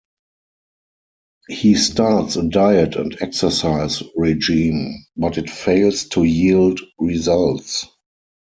He starts a diet and exercise regime, but it fails to yield results.